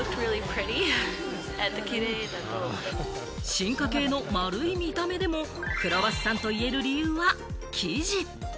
進化系の丸い見た目でもクロワッサンと言える理由は生地。